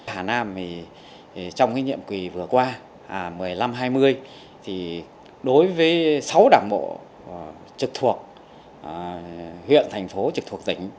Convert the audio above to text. hà nam trong nhiệm kỳ vừa qua một mươi năm hai mươi đối với sáu đảng bộ trực thuộc huyện thành phố trực thuộc tỉnh